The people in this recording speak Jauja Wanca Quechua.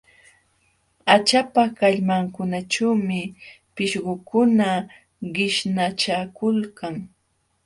Haćhapa kallmankunaćhuumi pishqukuna qishnachakulkan.